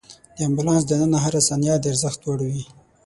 د امبولانس دننه هره ثانیه د ارزښت وړ وي.